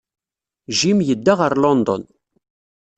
Jim yedda ɣer London.